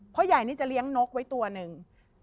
พ่อใหญ่นี่จะเลี้ยงนกไว้ตัวหนึ่ง